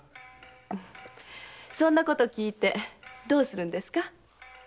そんなことを訊いてどうするんですか？